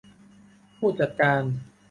ผู้จัดการ